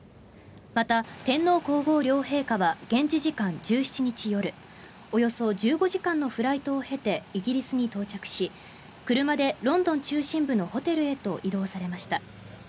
また、天皇・皇后両陛下は現地時間１７日夜およそ１５時間のフライトを経てイギリスに到着し車でロンドン中心部のホテルへと移動されました。